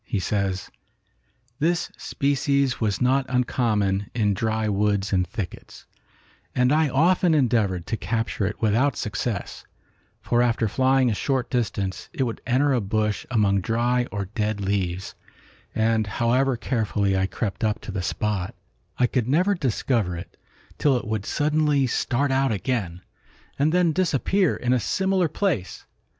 He says, "This species was not uncommon in dry woods and thickets, and I often endeavored to capture it without success, for after flying a short distance it would enter a bush among dry or dead leaves, and however carefully I crept up to the spot, I could never discover it till it would suddenly start out again, and then disappear in a similar place.